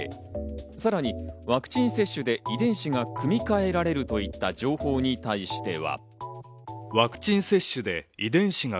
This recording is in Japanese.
さらにワクチン接種で遺伝子が組み換えられるといった情報に対しては。